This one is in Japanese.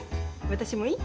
私も良い？